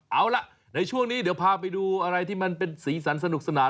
เอาล่ะในช่วงนี้เดี๋ยวพาไปดูอะไรที่มันเป็นสีสันสนุกสนาน